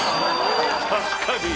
確かに。